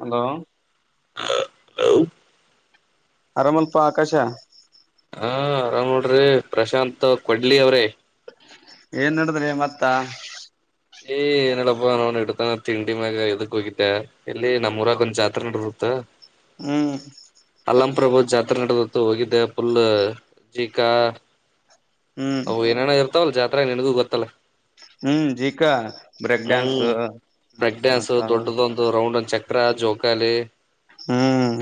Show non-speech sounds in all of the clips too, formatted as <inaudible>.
Hello hello ಆರಾಮಲ್ಪ ಆಕಾಶ ಹಾ ಆರಾಮ್ ನೋಡ್ರಿ ಪ್ರಶಾಂತ್ ಕೊಡ್ಲಿ ಅವ್ರಿ ಏನ್ ನಡದ್ರಿ ಮತ್ತ ಏ್ ಏನ ಹೇಳಪ್ಪಾ ನಾ್ ಇಡ್ತಾನ ತಿಂಡಿ ಮ್ಯಾಗ ಎದಕ್ ಹೋಗಿದ್ದೆ ಇಲ್ಲಿ ನಮ್ಮ ಊರಾಗ ಒಂದ ಜಾತ್ರೆ ನಡಸುತ್ತ ಹ್ಮ್ ಕಲಂ ಪ್ರ್ರಭು ಜಾತ್ರೆ ನಡೆದತ್ತು ಹೋಗಿದ್ದೆ ಫುಲ್ ಜೀಕಾ ಹ್ಮ್ ಅವ ಏನೇನೋ ಇರ್ತವಲ್ಲ ಜಾತ್ರೆಗ ನಿನಗೂ ಗೊತ್ತಲ್ಲ ಹ್ಮ್ ಜೀಕ ಬ್ರೇಕ್ ಡ್ಯಾನ್ಸ್ ಹ್ಮ್ ಬ್ರಕ್ ಡ್ಯಾನ್ಸ್ ಮತ್ತ ದೊಡ್ಡದೊಂದು ರೌಂಡ್ದ ಚೆಕ್ ಜೋಕಾಲಿ ಹ್ಮ್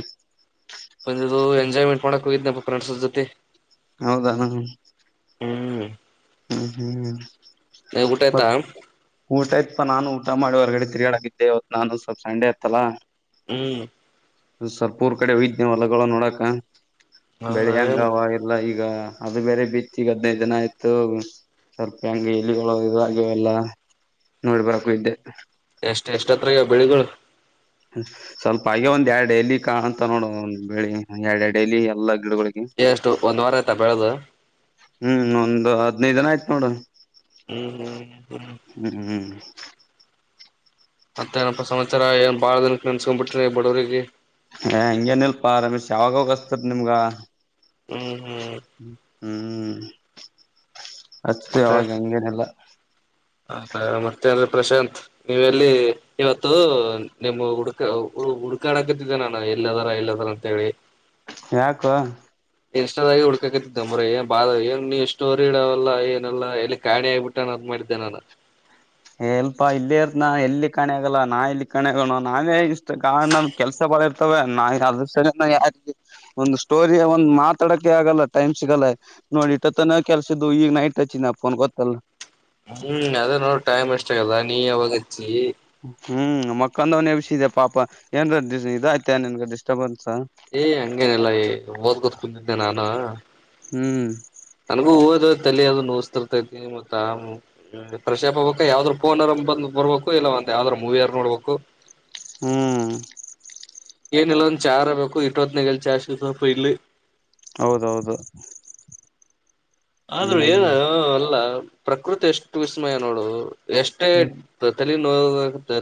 ಬಂದಿದವಾ ಎಂಜಯ್ಮೆಂಟ್ ಮಾಡಕ ಕೊವಿಂದ ಫ್ರೈನ್ಡ್ಸ್ ಜೊತೆ ಹೌದಾ ಹ್ಮ್ ಹ್ಮ್ ಹ್ಮ್ ಊಟ ಮತ್ತ ಆಯ್ತಾ ಊಟಯ್ತ್ಪಾ ನಾನು ಊಟ ಮಾಡಿ ಹೊರಗಡೆ ತಿರ್ಗ ಆಡತಿದ್ದೆ ಇವತ್ ನಾನು ಸ್ವಲ್ಪ ಸಂಡೆ ಇತ್ತಲ್ಲಾ ಹ್ಮ್ ಸ್ವಲ್ಪ ಊರ್ ಕಡೆ ಹೋಗಿದನ್ ಹೊಲಗಳು ನೋಡಕ ಹ ಬೆಳೆಯಂಗಾವ ಇಲ್ಲಾ ಈಗ ಅದು ಬೇರೆ ಬಿತ್ತಿಗೆ ಹದಿನೈದು ದಿನ ಆಯತು ಸರ್ಪ ಹಂಗೆ ಇಲಿಗಳು ಇದು ಆಗವೆಲ್ಲ ನೋಡಿ ಬರಾಕ ಹೋಗಿದೆ ಎಷ್ಟ್ ಎಷ್ಟ ಎತ್ರ ಆಗ್ಯಾವ ಬೆಳಿಗಳು ಸ್ವಲ್ಪ ಹಾಗೆ ಒಂದ್ ಎರಡ್ ಡೈಲಿ ಕಾಣಂತ ನೋಡ ಬೆಳಿ ಎರಡ್ ಎಡು ಡೈಲಿ ಎಲ್ಲ ಎಷ್ಟು ಒಂದ್ ವಾರ ಆಯ್ತಾ ಬೆಳೆದು. ಹ್ಮ್ ಒಂದು ಹದನೈದು ದಿನ ಆಯ್ತ ನೋಡ ಹ್ಮ್ ಹ್ಮ್ ಹ್ಮ್ ಹ್ಮ್ ಮತ್ತೆ ಏನಪ್ಪಾ ಸಮಾಚಾರ ಏನ್ ಬಾಳ ದಿನಕ್ಕೆ ನೆನ್ಸ್ಕೊಂಡ್ ಬಿಟ್ರಿ ಬಡವರಿಗೆ ಹ ಹಂಗೇನಲ್ಪ ಆ ರಮೇಶ್ ಅವಾಗ ಅವಾಗ್ ಹಚ್ಚತೇತಿ ನಿಮ್ಗ ಹ್ಮ್ ಹ್ಮ್ ಹ್ಮ್ ಅತ್ತೆ ಅವಾಗ ಹಂಗೇನೆಲ್ಲ. ಹ ಮತ್ತೇ ಅಂದ್ರೆ ಪ್ರಶಾಂತ್ ನೀವೆಲ್ಲಿ ಇವತ್ತು ನಿಮ್ಮ ಹುಡುಕ ಹುಡ್ಕಾಕತ್ತಿದ್ದ ನಾನು ಎಲ್ಲದಾರ ಎಲ್ಲದಾರ ಅಂತ ಹೇಳಿ ಯಾಕೋ ಇನ್ಸ್ಟಾದಾಗಿ ಉುಡ್ಕಕತ್ತಿದ್ದ ಮರ ಏ ಬಾ ಏನ್ ನೀ ಸ್ಟೋರಿ ಇಡಾವಲ್ಲ ಏನ ಅಲ್ಲ ಎಲ್ಲಿ ಕಾಣಿ ಆಗ್ಬಿಟ್ಟ ಅಂತ ಮಾಡದೆ ರೀ ಜನಾನ ಎಲ್ಪಾ ಇಲ್ಲೇ ಇರ್ತನಾ ಎಲ್ಲಿ ಕಣೆ ಆಗಲ್ಲ ನಾ ಇಲ್ಲಿ ಕಣೆ ಆಗಣ ನಾವೇ ಇ ನ ಕೆಲ್ಸ ಬಳ ಇರ್ತೇವೇ ಅದರ ಸಲವಾಗಿ ನಾ ಯಾ ಒಂದು ಸ್ಟೋರಿಯ ಒಂದು ಮಾತಾಡಕ್ಕೆೆ ಆಗಲ್ಲ ಟೈಮ್ ಸಿಗಲ್ಲ ನೋಡಿ ಇಟ್ಟ ತನ ಕೆಲ್ಸಿದ್ದು ಈಗ ನೈಟ್ ಹಚ್ಚ ಫೋನ್ ಗೊತಲ್ಲ ಹ್ಮ್ ಅದ ನೋಡ ಟೈಮ್ ಎಷ್ಟ ಆಗಲ್ಲ ನೀ ಯಾವಾಗಚ್ಚಿ ಹ್ಮ್ ಮಕ್ಕಂದವನ ಯಬಷಿದೆ ಪಾಪ ಏನ್ ಇದಯ್ತ ನಿನ್ಗ ಡಿಸ್ಟರ್ಬ್ ಅನ್ ಏಯ್ ಹಂಗೇನಲ್ಲ ಓದ್ಕೋತ್ ಕುಂತಿದ್ದೆ ನಾನು ಹ್ಮ್ ನನ್ಗೂ ಓದ ತಲೆ ಅದ ನೋಸ್ತಿರ್ತೈತಿ ಮತ್ತ ಪ್ರಶಾಪ ಅಬಾಕ್ ಯಾವ್ದ್ರ ಫೋನರ ಬಂದ ಬರ್ಬೇಕು ಇಲ್ಲ ಒಂದ ಯಾವದರ ಮೂವಿ ಯರ್ ನೋಡ್ಬೇಕು. ಹ್ಮ್ ಏನ ಇಲ್ಲ ಒಂದ ಚಾರ ಬೇಕು ಇಟ್ವತ್ನಾಗಲ್ ಚಾ ಸಿಗತತಿ ಪಾ ಇಲ್ಲಿ. ಹೌದೌಹೌದು ಆದ್ರೂ ಏನ ಅಲ್ಲ ಪ್ರಕೃತಿ ಎಷ್ಟು ವಿಸ್ಮಯ ನೋಡು ಎಷ್ಟೇ ತಲೆ ನೋ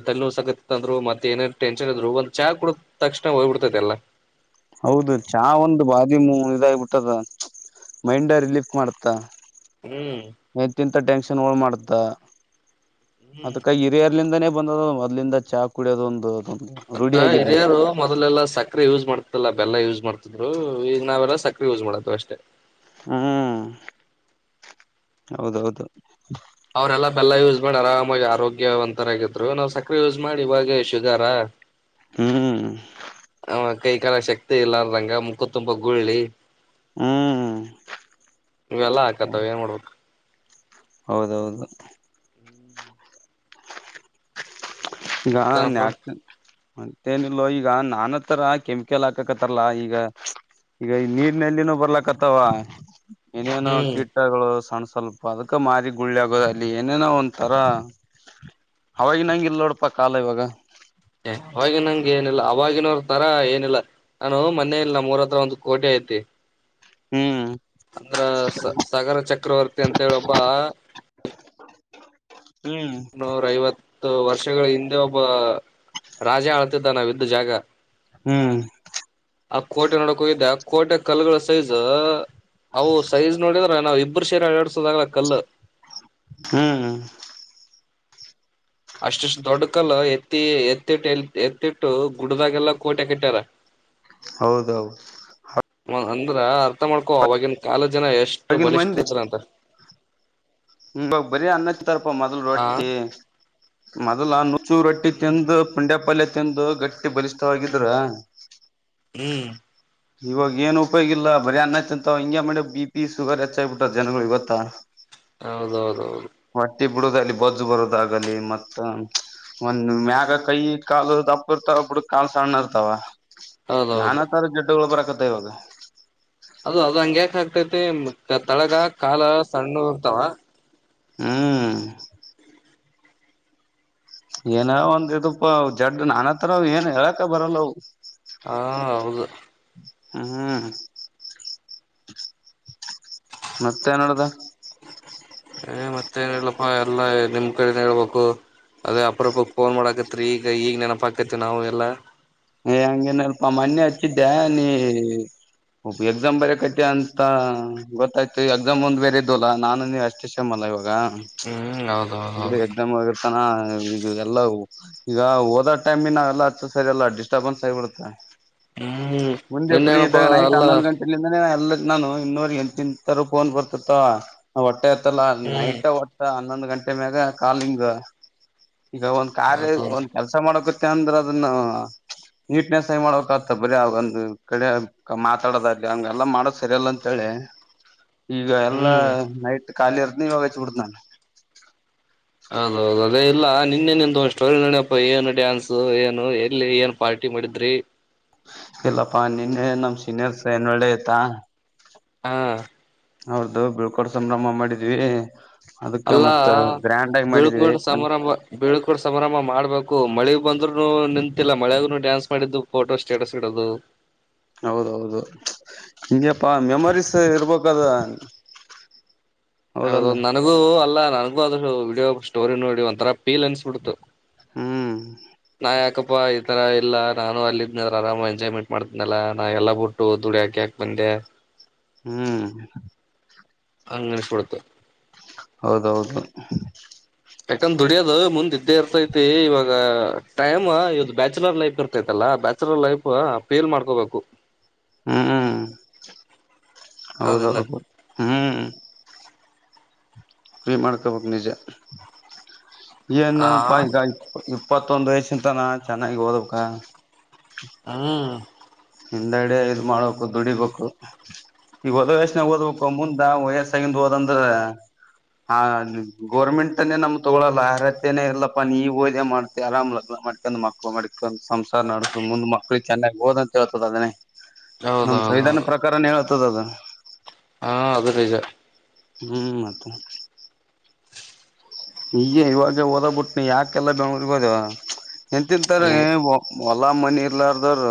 ತಲೆ ನೋವಸಕತ್ತಿತ ಅಂದ್ರುತ್ತೆ ಏನೇನ್ ಟೆಂಕ್ಷನ್ ಇದ್ರು ಒಂದ ಚಾ ಕುಡದ ತಕ್ಷಣ ಹೋಗ್ಬ ಬಿಡ್ತೈತೆಲ್ಲ ಹೌದು ಚಾ ಒಂದು ಬಾದಿ ಮೂ ಇದಾಗಿಬಿಟ್ಟದ ಮೈಂಡ್ ರಿಲೀಫ್ ಮಾಡುತ್ತ ಹ್ಮ ಟೆನ್ಷನ್ ಹೋಳ್ ಮಾಡುತ್ತ ಹ್ಮ್ ಅದಕ ಹಿರಿಯರ್ಲಿಂದಾನೇ ಬಂದ ಮದ್ಲಿಂದ ಚಾ ಕುಡಿಯೋದ ಒಂದು ಅಂದ್ರ ರೂಢಿಯಾಗಿದೆ ಹಿರಿಯರು ಮೊದಲೆಲ್ಲ ಸಕ್ಕ್ರರೆ ಯೂಸ್ ಮಾಡ್ತಲ್ಲಾ ಬೆಲ್ಲ ಯೂಸ್ ಮಾಡ್ತ ಹು ಈಗ ನಾವೆಲ್ಲ ಸಕ್ಕರೆ ಯೂಸ್ ಮಾಡಾಕತ್ತೀವಿ ಅಷ್ಟೇ ಹ್ಮ್ ಹೌದೌಹೌದು ಅವ್ರೆಲ್ಲ ಬೆಲ್ಲ ಯೂಸ್ ಮಾಡಿ ಆರಾಮಾಗಿ ಆರೋಗ್ಯವಂತರ ಆಗ ಇದ್ದರು ನಾವ್ ಸಕ್ರೆ ಯೂಸ್ ಮಾಡಿ ಇವಾಗ ಶುಗರಾ? <unintelligible> ಹು <unintelligible> ಕೈ ಕಾಲ ಶಕ್ತಿ ಇರಲಾರದಂಗ ಮುಖು ತುಂಬಾ ಗುಳ್ಳಿ. ಹ್ಮ್ <unintelligible> ಇವೆಲ್ಲ ಹಾಕತ್ತಾವ ಏನ್ ಮಾಡ್ಬೇಕ. <unintelligible> ಹೌದ ಹೌದ <unintelligible> <unintelligible> ಈಗ ಮತ್ತೇನಪ್ಪಾ ನ್ಯಾಪನ <unintelligible> ಮತ್ತೇನ ಇಲ್ಲೋ ಈಗ ನಾನತ್ರರ ಕೆಮಿಕಲ್ ಹಾಕಕತ್ತಾರಲ್ಲಾ ಈಗ <unintelligible> ಈಗ ಈ ನೀರ್ನಲ್ಲಿನೂ ಬರ್ಲಕ್ತವ ಏನೇನೋ ಹ್ಮ್ ಕೀಟಗಳು ಸಣ್ಸ <unintelligible> ಸ್ವಲ್ಪ ಅದಕ ಮಾರಿ ಗುಳ್ಳಿ ಆಗೋದ ಅಲ್ಲಿ ಏನೇನೋ ಒಂತಾರ ಅವಾಗಿ ನಂಗ ಇಲ್ ನೋಡ್? <unintelligible> ಪ್ಪ ಕಾಲ ಇವಾಗ? <unintelligible> ಏ ಅವಾಗಿನ ನಂಗ ಏನಿಲ್ಲ ಅವವಾಗಿನವ್ರ ತರ ಏನಿಲ್ಲ ನಾನು ಮೊನೇ ಇಲ್ಲ ಮೂರತ್ರ ಒಂದು ಕೋಟಿ ಆಯತ <unintelligible> ತ್ತಿ ಹ್ಮ್ <unintelligible> ಅಂದರ ಸ ಸಾಗರ ಚಕ್ರವರ್ತಿ ಅಂತ ಹೇಳಿ ಒಬ್ಬ <unintelligible> ಇಲ್ಲ ನೀಲ್ಲ ನೂರ <unintelligible> ಐವತ್ತು ವರ್ಷಗಳ ಹಿಂದೆ ಒಬ್ಬ ರಾಜಾ ಆಳ್ತಿದ್ದ ನಾವಿದ್ದ ಜಾಗ? <unintelligible> ಹೂ <unintelligible> ಆ ಕೋಟೆ ನೋಡಕ್ ಹೋಗಿದ್ದೆ ಆ ಕೋಟೆ ಕಲ್ಲುಗಳ ಸೈಜ್ ಅವು ಸೈಜ್ ನೋಡಿದ <unintelligible> ನಾವು ಇಬ್ಬರು ಸೇರ ಅಲ್ಲಡ್ಸೋದಾಗ ಕಲ್ಲು. <unintelligible> ಹು ಹೂ <unintelligible> ಅಷ್ಟಷ್ಟು ದೊಡ್ಡ ಕಲ್ಲ ಎತ್ತಿ ಎತ್ತಿಟ್ಟ ಎ ಎತ್ತಿಟ್ಟು ಗುಡ್ದಾಗೆಲ್ಲ ಕೋಟೆ ಕೆಟ್ಟ್ಯಾರ? <unintelligible> ಹೌದ ಹೌದದು? <unintelligible> ಅಂದ್ರ ಅರ್ಥ ಮಾಡ್ಕೋ ಅವವಾಗಿನ ಕಾಲ ಜನ ಎಷ್ಟು ಇವಾಗಿನ ಬಲಿಷ್ಠ ಇದ್ರ ಅಂತ. <unintelligible> ಹುಂಬ ಬರಿ ಅಣ್ಣಾ <unintelligible> ಇಂತಾರಪ್ಪ ಮೊದಲು ಹಾ ರೊಟ್ಟಿ ಮೊದಲ್ ನುಚೂ ರೊಟ್ಟಿ ಹ್ಮ್ ತಿಂದು ಪುಂಡ್ಯಪಲ್ಯ ತ <unintelligible> ಚಂದು ಗಟ್ಟಿ ಬಲಿಷ್ಠವಾಗಿದ್ರ <unintelligible> ಹೂ <unintelligible> ಇವಾಗ ಏನು ಉಪಯೋಗಿಲ್ಲ ಬರಿ ಅನ್ನ ತಿಂತಾವ ಹಿಂಗೆ ಮಾಡಿ ಬಿ ಪಿ ಶುಗರ್ ಹೆಚ್ಚಾಗ ಬಿಟ್ಟೆತ ಜನಗಳಿಗ ಗೊತ್ತಾ? <unintelligible> ಹೌದ ಹೌದ ಹೌದು <unintelligible> ಹೊಟ್ಟಿ ಬಿಡೋದಲಿ ಬಜ್ಜು ಬರೋದಾಗಲಿ ಮತ್ತ? <unintelligible> ಒಂದ ಮ್ಯಾಗ ಕೈ ಕಾಲು ದಪ್ಪ ಇರ್ತಾವ ಬುಡಕ್ ಕಾಲು ಸಣ್ಣ ಇರ್ತಾವ? <unintelligible> ನಾನ ಹೌದೌದು ತರ ಜಡ್ಡಗಳು ಬರಕತ್ತ ಇವಾಗ? <unintelligible> ಅದು ಅದ ಹಂಗ್ಯಾಕ ಆಗ್ತೈತಿ ತಳಗ ಕಾಲ ಸಣ್ಣ ಇರ್ತಾವ? <unintelligible> ಹೂ <unintelligible> ಏನ ಒಂದ ಇದಪ್ಪ ಜಡ್ ನಾನ್ ತರಹ ಏನ್ ಹೇಳಕ ಬರಲ್ಲ ಅವ, <unintelligible> ಹಾ ಹೌದು? <unintelligible> ಹೂ <unintelligible> ಮತ್ತ ಏನ್ ನಡದ? <unintelligible> ಏ ಮತ್ತ ಏನ್ ಇಲ್ಲ ಪ್ಪಾ ಎಲ್ಲಾ ನಿಮ್ಮ ಕಡೆನ ಹೇಳ್ಬೇಕು. <unintelligible> ಅದೇ ಅಪರಪಕ ಫೋನ್ ಮಾಡಾಕತ್ರಿ ಈಗ ಈಗ ನೆನಪಾಕತಿ ನಾವು ಎಲ್ಲಾ? <unintelligible> ಏ ಹಂಗೇನ ಇಲ್ಲಪಾ ಮನ್ನೆ ಹಚ್ಚಿದ್ದೆ ನೀ <unintelligible> ಒಬ್ಬ ಎಕ್ಸಾಮ್ ಬೇರೆ ಕಟ್ಟ್ಯ ಅಂತ ಗೊತ್ತಾಯ್ತು ಎಕ್ಸಾಮ್ ಮುಂದ ಬೇರೆ ಇದವ ಅಲ್ಲಾ ನಾನು ನೀ ಅಷ್ಟು ಶಮಲ್ಲ ಇವಾಗ? <unintelligible> ಹ್ಮ್ ಹೌದೌದ ಬರೆ ಹೌದು ಎಕ್ಸಾಮ್ ಒಳಗ ಇರ್ತಾನ? <unintelligible> ಈದು ಎಲ್ಲ ಈಗ ಓದೋ ಟೈಮಿನ ಎಲ್ಲ ಹತ್ತು ಸರಿಯ ಎಲ್ಲ ಡಿಸ್ಟರ್ಬನ್ಸ್ ಆಗಿಬಿಡುತ್ತ. <unintelligible> ಹ್ಮ್ ಮುಂದೆ ಪ್ರಿ ನಿನ್ನೇನಪ್ಪಾ ಇದ್ದಾಗ ನೈಟ್ ಅಲ್ಲ ಹನ್ನೊಂದು ಗಂಟೆಲಿಂದ ಎಲ್ಲ <unintelligible> ನಾನು ಇನ್ನೂರ್ ಯತ್ತಿ ನಂತರ ಫೋನ್ ಬರ್ತಿತ್ತವ ನಾ ಒಟ್ಟ ಎತ್ತಲ್ಲ ಹ್ಮ್ ನೈಟ್ ಒಟ್ಟ ಅ <unintelligible> ಹನ್ನೊಂದು ಗಂಟೆ ಮ್ಯಾಗ ಕಾಲಿಂಗ್ ಈಗ ಒಂದ್ ಕಾರ್ಯ ಹೌದೌದು ಒಂದ್ ಕೆಲಸಾ ಮಾಡಕ <unintelligible> ಚಂದ್ರ ಅದನ್ನ <unintelligible> ನೀಟ್ನೆಸ್ ಆಗಿ ಮಾಡ್ ಬೇಕ್ ಆತ ಬರಿ ಆ ಒಂದ್ ಕಡೆ ಮಾತಾಡೋದಾಗಲಿ ಹಂಗ ಎಲ್ಲಾ ಮಾಡೋದ ಸರಿಯಲ್ಲ ಅಂತ <unintelligible> ಹೇಳ್ ಲೇ? <unintelligible> ಈಗ ಎಲ್ಲಾ ಹ್ಮ್ ನೈಟ್ ಖಾಲಿರ್ದನ ಇವಾಗ ಚೂಡ್ದ್ ನಾನು ಹೌದೌದು ಅದೇ ಇಲ್ಲ ನಿನ್ನೇನಂತ ಒ ಸ್ಟೋರಿ ನಡ್ಯಪ್ಪ ಏನು ಡ್ಯಾನ್ಸ್ ಏನು ಎಲ್ಲಿ ಏನ್ ಪಾರ್ಟಿ ಮಾಡಿದ್ರೆ ಇಲ್ಲಪ್ಪಾ ನಿನ್ನೆ ನಮ ಸೀನಿಯರ್ಸ್ ಏನ್ ಒಳ್ಳೆ ಆಯ್ತಾ ಹಾ ಹೌದು ಬೀಳ್ಕೋಡ್ ಸಂಭ್ರಮ ಮಾಡಿದ್ವಿ ಅದಕ್ಕೆ ಅಲ್ಲಾ ಮತ್ತ ಗ್ರ್ಯಾಂಡ್ ಆಗಿ ಮಾಡಿದ್ವಿ ಬಳ್ಕೊಂಡ ಸಮಾರಂಭ ಬೀಳ್ಕೊಂಡು ಸಮಾರಂಭ ಮಾಡ್ಬೇಕು ಮಳಿ ಬಂದ್ರುನು ನಿಂತಿಲ್ಲ ಮಳೆಗನು ಡ್ಯಾನ್ಸ್ ಮಾಡಿದ್ದು ಫೋಟೋ ಸ್ಟೇಟಸ್ ಇಡೋದು ಹೌದೌದು ಹಗೆಪಾ ಮೆಮರೀಸ್ ಇರ್ಬೇಕದ ಹೌದು ಹೌದಲ್ಲ ನನಗೂ ಅಲ್ಲಾ ನನಗೂ ಅದ ವಿಡಿಯೋ ಸ್ಟೋರಿ ನೋಡಿ ಒಂತರ ಪೀಲ್ ಅನ್ಸ್ಬಿಡ್ತು ಹ್ಮ ನಾ ಯಾಕಪ್ಪಾ ಈ ತರ ಇಲ್ಲಾ ನಾನು ಅಲ್ಲಿದ್ನ ಆರಾಮ ಎಂಜಾಯ್ಮೆಂಟ್ ಮಾಡ್ತಿದನಲ್ಲ ನಾ ಎಲ್ಲ ಬಿಟ್ಟುಓದ ದುಡ್ ಕ್ಯಾಕ ಬಂದೆ ಹ್ಮ್ ಅನ್ನಿಸ್ಬಿಡ್ತು ಹೌದೌದು ಇದೇ ಇರ್ತೈತಿ ಇವಾಗ ಟೈಮ್ ಇದು ಬ್ಯಾಚುಲರ್ ಲೈಫ್ ಇರ್ತೈತಲ್ಲ ಬ್ಯಾಚುಲರ್ ಲೈಫ್ ಪೇಪ ಮಾಡ್ಕೋಬೇಕು ಹ್ಮ್ ಹೌದಿಲ್ಲ ಹೌದೌದು ಹ್ಮ್ ಫ್ರೀ ಮಾಡ್ಕೊಬೇಕ್ ನಿಜ ಆ ಏನ್ನಪ್ಪ ಈಗ ಇಪ್ಪತ್ತೊಂದ ವಯಸ್ಸಂತಾನ ಚೆನ್ನಾಗಿ ಓದಕ್ಕ ಹ್ಮ ಹಿಂದೆಡ ಇದ್ ಮಾಡ್ಬೇಕು ದುಡಿಬೇಕು ಈಗ ಹೊದ ವಯಸ್ಸನಾಗ ಓದ್ಬೇಕು ಮುಂದ ವಯಸ್ಸಗಿಂದ ಓದಂದ್ರ ಹಾ ಗೌರ್ಮೆಂಟ್ ತನೇ ನಮ್ ತೊಗೊಳ್ಳಲ್ಲ ಅರ್ಹತನೇ ಇಲ್ಲಪ್ಪ ನೀ ಹೋದೆ ಮಾಡ್ತಿ ಆರಾಮ್ಲಗ್ ಮಡ್ಕಂಡ್ ಮಕ್ಳು ಮಡ್ಕೊಂಡ್ ಸಂಸಾರ ನಡ್ಸ ಮು ಮಕ್ಳಿಗೆ ಚೆನ್ನಾಗಿ ಹೋದ ಅಂತ ಹೇಳ್ತದ ಅದನ್ನೇ ನಮ ಸಂೈಧಾನ ಹೌದೌದೌದು ಪ್ರಕಾರನ ಹೇಳ್ತದ ಅದು ಹಾ ಅದು ನಿಜ ಹ್ಮ್ ಮತ್ತೆ ಈಗ ಇವಾಗ ಓದ ಬಿಟ್ನಿ ಯಾಕೆಲ್ಲ ಬೆಂಗಳೂರ್ಗ ಹೋದ ಎಂತಂತಾರೆ ಓಲ ಮನಿ ಇರ್ಲಾರದ್ರ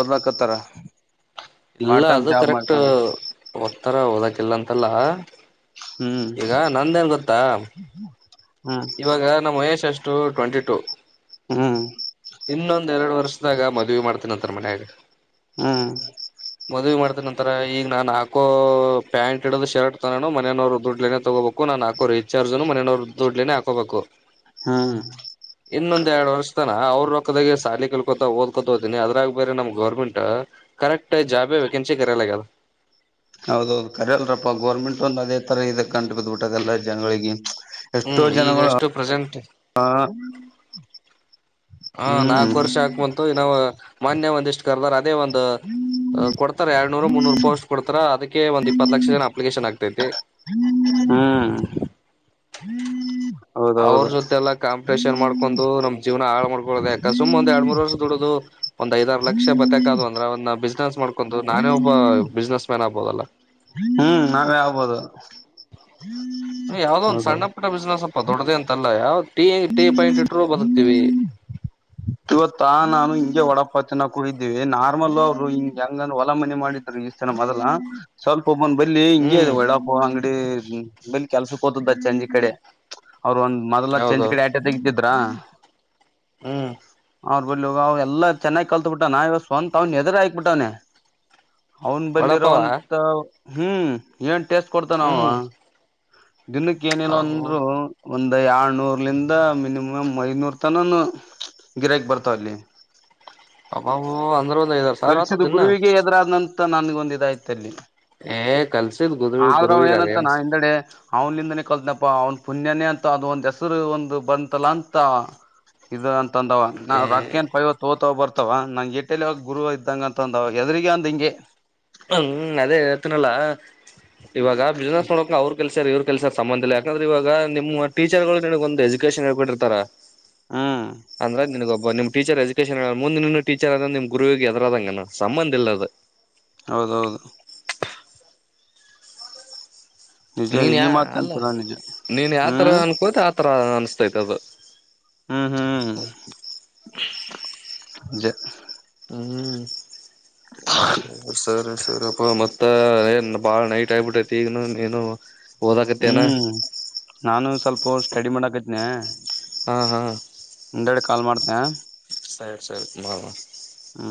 ಓದ್ಲಕತ್ತಾರ ಇಲ್ಲ ಪಾರ್ಟ್ ಟೈಮ್ ಅದು ಜಾಬ್ ಕರೆಕ್ಟ್ ಮಾಡ್ಕೊಂಡು ಒ್ತ್ತರ ಓದಕಲ್ಲ ಅಂತಲ್ಲ ಹ್ಮ್ ಈಗ ನಂದೇನ್ ಗೊತ್ತಾ ಹ್ಮ್ ಇವಾಗ ನಮ್ಮ ಮಹೇಶ್ ಅಷ್ಟ ಟು ಟ್ವೆಂಟಿ ಟು ಹ್ಮ್ ಇನ್ನೊಂದೆರಡು ವರ್ಷದಾಗ ಮದ್ವಿ ಮಾಡ್ತನಂತ ಮನ್ಯಾಗ ಹ್ಮ ಮಾಡತಿದ ನಂತರ ಈಗ ನಾನ್ ಹಾಕೋ ಪ್ಯಾಂಟ್ ಇಡದ ಶರ್ಟ್ ತಗೋನು ಮನೆಯನವರು ದುಡ್ಲೇನೆ ತಗೋಬೇಕು ನಾನು ಹಾಕೋರಿ. ರಿಚಾರ್ಜ್ನು ಮನೆಯವ್ರ ದುಡ್ಲೇ ಹಾಕೋಬೇಕು ಹ್ಮ್ ಇನ್ನೊಂದ್ ಎರಡು ವರ್ಷ ತನ ಅವ್ರ ರೊಕ್ಕದ ಸಾಲಿ ಕಲ್ಕೊತ ಓದಕೊತ ಹೋತೀನಿ ಅದ್ರಾಗ ಬೇರೆ ನಮ್ ಗೌರ್ಮೆಂಟ್ ಕರೆಕ್ಟ್ ಜಾಬೆ ವೆಕೆನ್ಸಿ ಕರೆಲಗ ಹೌದೌದು ಕರಿ ಅಲ್ರಪ್ಪಾ ಗೌರ್ಮೆಂಟ್ ಒಂದ ಅದೇ ತರ ಇದ ಕಂಟ ಬದ್ಬಿಟ್ಟದಲ್ಲಾ ಜನಗಳಿಗೆ ಎಷ್ಟೋ ಹ್ಮ್ ಈಗ ಜನಗಳು ಎಷ್ಟು ಪ್ರೆಸೆಂಟ್ ಆ ಹಾ ನಾಕು ವರ್ಷ ಆಕ್ಬಂತು ಇ ನಾವ್ ಮಾನ್ಯ ಒಂದಿಷ್ಟ್ ಕರ್ದರ್ ಅದೇ ಒಂದು ಕೊಡ್ತಾರ ಎರಡ್ ನೂರು ಮುನ್ನೂರು ಪೋಸ್ಟ್ ಕೊಡ್ತಾರ ಅದಕ್ಕೆ ಒಂದ್ ಇಪ್ಪತ್ತು ಲಕ್ಷ ಜನ ಅಪ್ಲಿಕೇಶನ್ ಆಗ್ತೈತೆ ಹ್ಮ್ ಅವ್ರ ಹೌದೌದು ಜೊತೆಲ್ಲಾ ಕಾಮ ಟೇಷನ್ ಮಾಡ್ಕೊಂಡ ನಮ್ ಜೀವನ ಹಾಳ ಮಾಡಕೊಳ್ಳೋ ಯಕ ಸು್ ಒಂದ ಎರಡು ಮೂರ್ ವರ್ಷ ದುಡು ಒಂದ್ ಐದಾರ ಲಕ್ಷ ಬತಾಕ ಅಂದ್ರೆ ಅವ್ನ್ನ ಬಿಸ್ನೆಸ್ ಮಾಡ್ಕೊಂಡು ನಾನೇ ಒಬ್ಬ ಬಿಸ್ನೆಸ್ ಮ್ಯಾನ್ ಆಗ್ಬೋದಲ್ಲ ಹ್ಮ್ ನಾವೇ ಆಗ್ಬೋದು ಯಾವ್ದದ ಒಂದ್ ಸಣ್ಣ ಹೌದೌದು ಪುಟ್ಟ ಬುಸೇನೆಸ್ ದೊಡ್ಡದೆ ಅಂತಲ್ಲ ಯಾವ್ದ tea A tea point true ಬದುಕ್ತೀವಿ. ಇವತ್ತ ನಾನು ಹಿಂಗೆ ಒಡಪಾವ್ ತಿನ್ನೋಕೋದ್ದೇವಿ ನಾರ್ಮಲ್ ಅವರು ಹಿಂಗ ಹೆಂಗ ಹೊಲ ಮನೆ ಮಾಡಿದ್ರ ಸನ ಮೊದಲ ಸ್ವಲ್ಪ ಉಪ್. ನ್ ಬಲ್ಲಿ ಹಿಂಗೆ ಹ್ಮ್ ಒಡಪಾವ್ ಅಂಗಡಿ ಬೆಲ್ಲಿ ಕೆಲ್ಸಕ ಹೋತದ್ದ ಸಂಜಿ ಕಡೆ. ಅವ್ರರ ಒಂದ್ ಮೊದ್ಲ ಚಂಜಿ ಕಡೆ ಆಟೆ ತೆಗ್ದಿದ್ರ ಹ್ಮ. ಅವ್ರ ಬಲ್ ಇವ ಅವ ಎಲ್ಲ ಚೆನ್ನಾಗಿ ಕಲ್ತ್ ಬಿಟ್ಟಾನ ಇವಾಗ ಸ್ವಂತ ಅವ್ನ ಎದುರು ಆಕ್ಬಿಟ್ಟವನೆ. ಅವನ್ ವಡಾಪಾವ ಬಲ್ಲಿರೋಂತ ಹ್ಮ ಏನ್ ಟೇಸ್ಟ ಕೊಡ್ತನ ಅವ ಹ್ಮ್ ದಿನಕ್ಕ ಏನೇಲ್ಲ ಅವು ಅಂದ್ರು ಒಂದ್ ಏಳ್ನೂರ್ಲಿನ್ದ ಮಿನಿಮಮ್ ಐನೂರ್ ತನನೂ ಗಿರಕ್ ಬರ್ತಾವ ಅಲ್ಲಿ ಅಬ್ಬಾಬೋ ಅಂದ್ರ ಒಂದ್ ಐದಾರು ಸಾವಿರ ಆತದ ಕಲಸಿದ ದಿನ್ನ ಗುರುವಿಗೆ ಎದ್ರರಾದನನ್ನ ತ್ರ ನನ್ಗ ಒಂದ ಇದಾಯ್ತಲ್ಲಿ ಏ ಕಲ್ಸಿದ್ ಗುರು ಆದ್ರು ಗುರುವಿಗ ಅದೇನ್ ಏನಂತಾನ ಹಿಂದಡೆ ಅವನಿಂದನೇ ಕಲ್ತನಪ್ಪ ಅವ್ನ ಪುಣ್ಯನೇ ಅಂತ ಅದ ಒಂದ್ ಹೆಸರು ಒಂದು ಬಂತಲ್ಲ ಅಂತ ಇದ ತಂದ ಆವಾ ನ ಏ ರಕ್ಕಿನ್ ಪೈವ ತೋ ಬರ್ತ ಅವ ನಂಗೆ ಎಟ್ಟಲ್ಲಿ ಗುರುವ ಇದ್ದಂಗ ಅಂತಂದ ಎದ್ರಿಗೆ ಅಂದ ಹಿಂಗೆ ಹ್ಮ ಅದೇ ಹೇಳ್ತೀನಲ್ಲ ಇವಾಗ ಬಿಸ್ನೆಸ್ ನೋಡ ಅವ್ರರು ಕೆಲ್ಸ ಇವ್ರ ಕೆಲ್ಸ ಸಂಬಂಧ ಇಲ್ಲ ಯಾಕಂದ್ರ ಇವಾಗ ನಿಮ್ಮ ಟಚರರ್ಗಳ ಒಂದ ಎಜುಕೇಶನ್ ಹೇಳಿ ಕೊಟ್ಟಿರ್ತಾರ. ಹ್ಮ್ <unintelligible> ನಿಮ್ ಟೀಚರ್ ಎಜುಕೇಶನ್ ಮುಂದಿ ಇ ಟೀಚರ್ ಅದ್ರ ನಿಮ್ ಗುರುವಿಗ ಎದರದಂಗನ ಸಂಬಂಧ ಇಲ್ಲ ಅದ. ಹೌದ ಹೌದು. ನಿಜ ನೀನ್ ಈ ಯಾ ಅಲ್ಲ ಮಾತಂತರ ನಿಜ ನೀನ್ ಯಾವತರ ಹ್ಮ್ ಅನ್ಕೋತ ಆತರ ಅನ್ಸ್ತೈತ ಅದ. ಹ್ಮ ಹ್ಮ. ಹ್ಮ ಸರಿ ಸರಿ ಪ್ಪ ಮತ್ ತ ಏನ್ ಬಾಳ ನೈಟ್ ಆಗಬಿಟ್ಟೈತಿ ಈಗ ನೀನ ಹ್ಮ ನಾನು ಸ್ವಲ್ಪ ಸ್ಟಡಿ ಮಾಡಕತನ ಹಾ ಹಾ ಹಿಂಡಾಗದೆ ಕಾಲ್ ಮಾಡ್ತನ. ಸರಿ ಸರಿ <unintelligible> ಹಾ